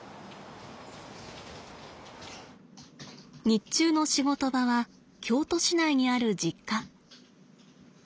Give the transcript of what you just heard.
日中の仕事場は京都市内にある実家。